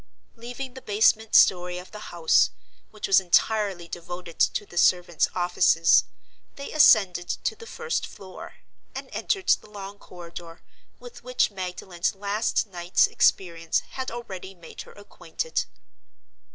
Leaving the basement story of the house, which was entirely devoted to the servants' offices, they ascended to the first floor, and entered the long corridor, with which Magdalen's last night's experience had already made her acquainted.